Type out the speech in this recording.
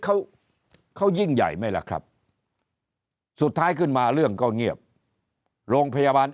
เขาเขายิ่งใหญ่ไหมล่ะครับสุดท้ายขึ้นมาเรื่องก็เงียบโรงพยาบาล